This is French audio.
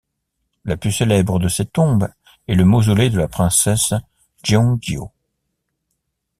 La plus célèbre de ces tombes est le mausolée de la princesse Jeonghyo.